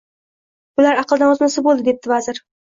– Bular aqldan ozmasa bo‘ldi, – debdi vazir.